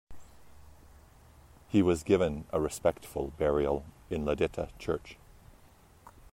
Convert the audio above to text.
He was given a respectful burial in Lideta church.